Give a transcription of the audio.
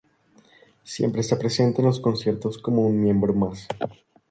Siempre está presente en los conciertos como un miembro más.